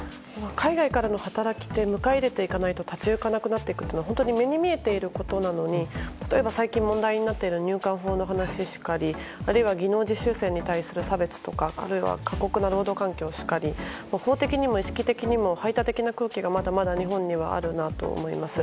海外からの働き手を迎え入れていかないと立ち行かなくなっていくというのは目に見えていることなのに例えば、最近問題になっている入管法の問題しかりあるいは技能実習生に対する差別とかあるいは過酷な労働環境しかり法的にも意識的にも排他的な空気が、まだまだ日本にはあるなと思います。